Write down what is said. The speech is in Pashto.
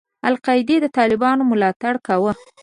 القاعدې د طالبانو ملاتړ کاوه.